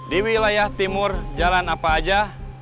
di wilayah timur jalan apa aja